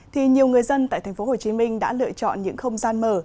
thì nhiều người dân tại tp hcm đã lựa chọn những không gian mở